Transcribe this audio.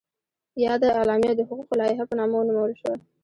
یاده اعلامیه د حقوقو لایحه په نامه ونومول شوه.